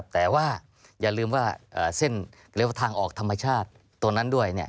แต่ว่าอย่าลืมว่าเส้นเลวทางออกธรรมชาติตรงนั้นด้วย